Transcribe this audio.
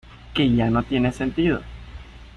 que ya no tiene sentido